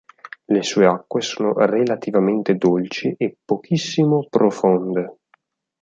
Le sue acque sono relativamente dolci e pochissimo profonde.